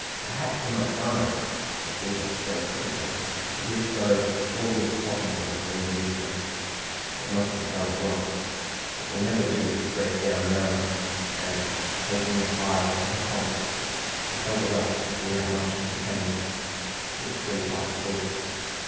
"Perhaps he might die! The fever spreads quickly, and if so, all this plotting will have been useless. It must be done at once. It will never do to break down now," and taking the phial from her pocket, she held it up, to see how much it contained. It was three parts full.